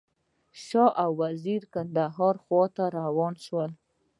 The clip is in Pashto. شاه او وزیر کندهار خواته روان شول.